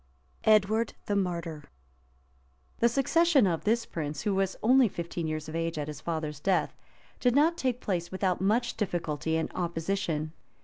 EDWARD THE MARTYR {957.} The succession of this prince, who was only fifteen years of age at his father's death, did not take place without much difficulty and opposition.